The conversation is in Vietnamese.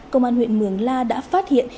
công an huyện mường la đã phát hiện